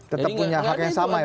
tetap punya hak yang sama ya pak ya